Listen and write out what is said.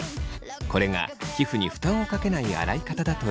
これが皮膚に負担をかけない洗い方だといいます。